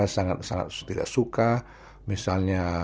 sangat tidak suka misalnya